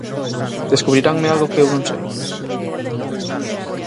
Descubriranme algo que eu non sei?